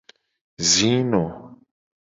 Zino.